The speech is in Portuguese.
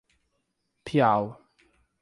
Piau